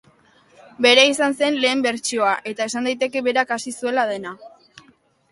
Berea izan zen lehen bertsioa, eta esan daiteke berak hasi zuela dena.